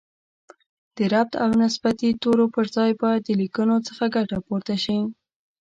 د ربط او نسبتي تورو پر ځای باید د لیکنښو څخه ګټه پورته شي